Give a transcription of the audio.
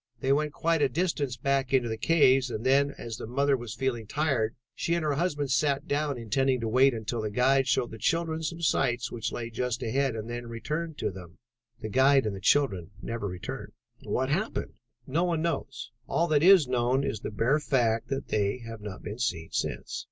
They went quite a distance back into the caves and then, as the mother was feeling tired, she and her husband sat down, intending to wait until the guide showed the children some sights which lay just ahead and then return to them. The guide and the children never returned." "What happened?" "No one knows. All that is known is the bare fact that they have not been seen since."